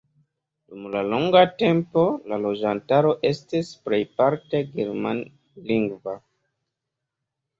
Dum longa tempo la loĝantaro estis plejparte germanlingva.